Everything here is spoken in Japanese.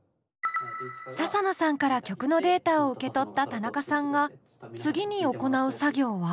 ササノさんから曲のデータを受け取ったたなかさんが次に行う作業は？